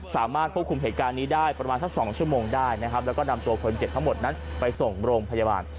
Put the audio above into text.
สามารถควบคุมเหตุการณ์นี้ได้ประมาณสัก๒ชั่วโมงได้นะครับแล้วก็นำตัวคนเจ็บทั้งหมดนั้นไปส่งโรงพยาบาล